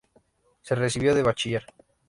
Se recibió de bachiller.